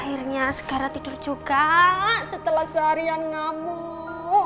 akhirnya segera tidur juga setelah seharian ngamuk